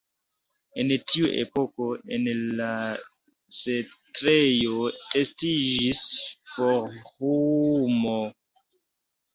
En tiu epoko en la setlejo estiĝis forumo.